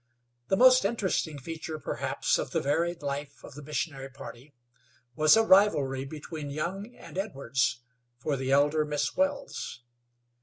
The most interesting feature, perhaps, of the varied life of the missionary party was a rivalry between Young and Edwards for the elder Miss Wells.